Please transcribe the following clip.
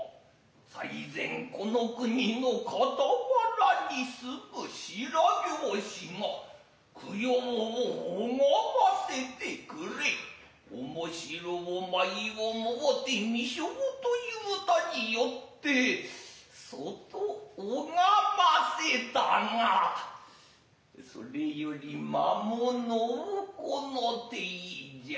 最前この国の傍に住む白拍子が供養を拝ませてくれい面白う舞を舞ふて見せうと言ふたに依つてそと拝ませたがそれより間もなうこの体ぢや。